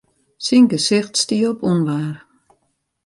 Syn gesicht stie op ûnwaar.